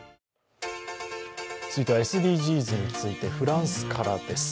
続いてはＳＤＧｓについてフランスからです。